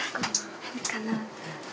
あるかな？